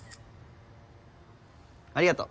ありがと。